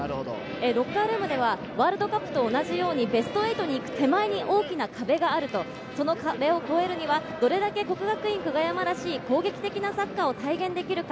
ロッカールームでは、ワールドカップと同じようにベスト８に行く手前に大きな壁があると、その壁を越えるには、どれだけ國學院久我山らしい攻撃的なサッカーを体現できるか。